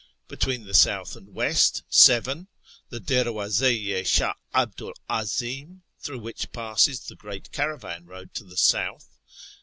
Between the south and west — 7. The Derwdz^ i Shdh Abdu'l Azlm (through which passes the great caravan road to the south).